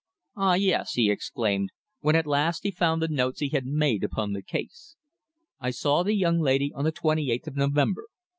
"Ah! yes," he exclaimed, when at last he found the notes he had made upon the case. "I saw the young lady on the twenty eighth of November.